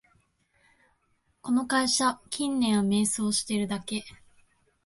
この会社、近年は迷走してるだけ